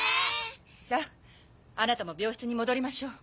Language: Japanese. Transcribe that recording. さぁあなたも病室に戻りましょう。